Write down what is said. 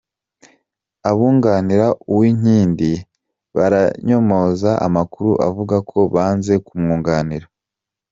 Abunganira Uwinkindi baranyomoza amakuru avuga ko banze kumwunganira